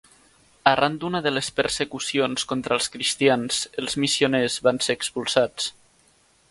Arran d'una de les persecucions contra els cristians, els missioners van ser expulsats.